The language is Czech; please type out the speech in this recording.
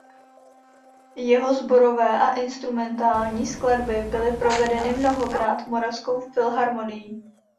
Jeho sborové a instrumentální skladby byly provedeny mnohokrát Moravskou filharmonií.